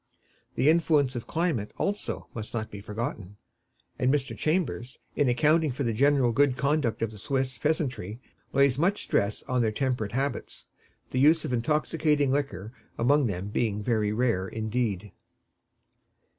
The influence of climate, also, must not be forgotten; and Mr. Chambers, in accounting for the general good conduct of the Swiss peasantry, lays much stress on their temperate habits, the use of intoxicating liquor among them being very rare indeed.